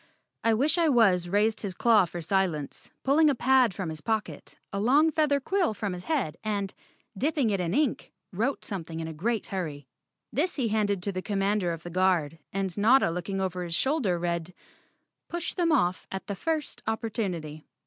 I wish I was raised his claw for silence, pulled a pad from his pocket, a long feather quill from his head and, dipping it in ink, wrote something in a great hurry. This he handed to the Commander of the Guard and Notta looking over his shoulder read, "Push them off at the first opportunity."